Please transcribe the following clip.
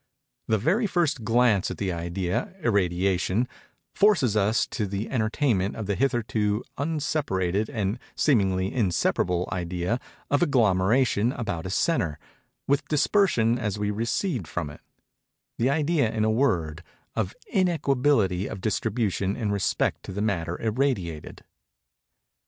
The very first glance at the idea, irradiation, forces us to the entertainment of the hitherto unseparated and seemingly inseparable idea of agglomeration about a centre, with dispersion as we recede from it—the idea, in a word, of _in_equability of distribution in respect to the matter irradiated.